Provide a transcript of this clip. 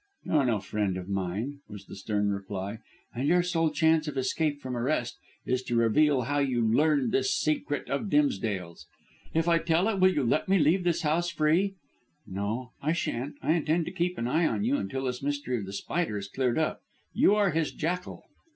"You are no friend of mine," was the stern reply, "and your sole chance of escape from arrest is to reveal how you learned this secret of Dimsdale's." "If I tell it will you let me leave this house free?" "No, I shan't. I intend to keep an eye on you until this mystery of The Spider is cleared up. You are his jackal."